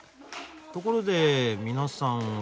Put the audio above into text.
ところで皆さんは。